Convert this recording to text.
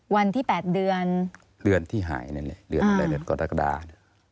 วันที่๘เดือนเดือนที่หายเรื่องอะไรก็ลากระดาษ